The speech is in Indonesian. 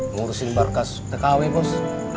ngurusin barkas tkw bos